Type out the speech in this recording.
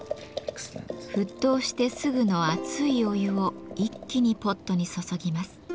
沸騰してすぐの熱いお湯を一気にポットに注ぎます。